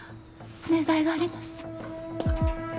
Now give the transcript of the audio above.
お願いがあります。